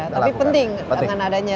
tapi penting dengan adanya